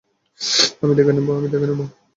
আমি দেখে নেব।